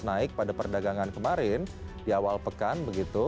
naik pada perdagangan kemarin di awal pekan begitu